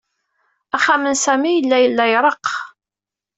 Axxam n Sami yella la ireɣɣ.